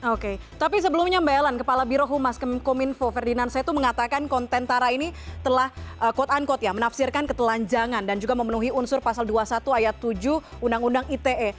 oke tapi sebelumnya mbak ellen kepala birohumas kominfo ferdinand setu mengatakan kontentara ini telah quote unquote ya menafsirkan ketelanjangan dan juga memenuhi unsur pasal dua puluh satu ayat tujuh undang undang ite